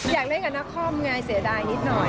อยากเล่นกับนครไงเสียดายนิดหน่อย